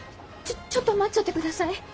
ちょちょっと待ちょってください。